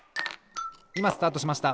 いまスタートしました！